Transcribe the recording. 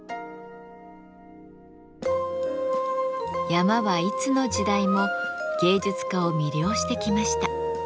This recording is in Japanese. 山はいつの時代も芸術家を魅了してきました。